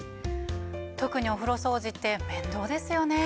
特にお風呂掃除って面倒ですよね。